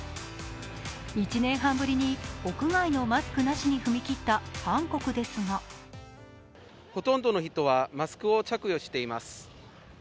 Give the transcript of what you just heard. １年半ぶりに屋外のマスクなしに踏み切った韓国ですがほとんどの人は、マスクを着用しています。